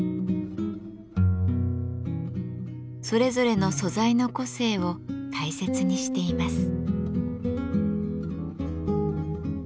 それぞれの素材の個性を大切にしています。